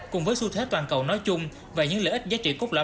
cùng với xu thế toàn cầu nói chung và những lợi ích giá trị cốt lõi